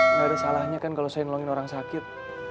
nggak ada salahnya kan kalau saya nolongin orang sakit